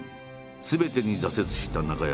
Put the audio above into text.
すべてに挫折した中山。